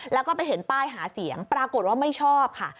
แล้วก็ไปเห็นป้ายหาเสียงปรากฏว่าไม่ชอบค่ะ